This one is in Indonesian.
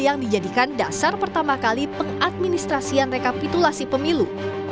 yang dijadikan dasar pertama kali pengadministrasian rekapitulasi pemilu